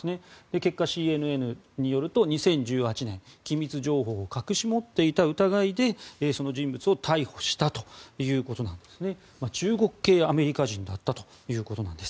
結果、ＣＮＮによると２０１８年機密情報を隠し持っていた疑いでその人物を逮捕したということです。